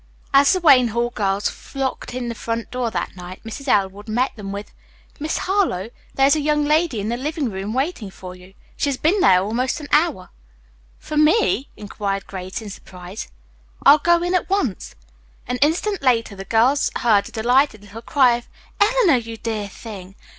As the Wayne Hall girls flocked in the front door that night, Mrs. Elwood met them with: "Miss Harlowe, there is a young lady in the living room, waiting for you. She's been there almost an hour." "For me?" inquired Grace in surprise. "I'll go in at once." An instant later the girls heard a delighted little cry of "Eleanor, you dear thing!"